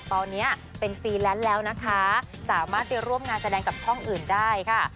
ตอนนี้เป็นฟรีแลนซ์แล้วนะคะสามารถไปร่วมงานแสดงกับช่องอื่นได้ค่ะ